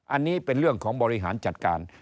อันนี้เป็นเรื่องของบริหารจัดการ